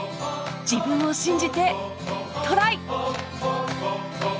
自分を信じてトライ！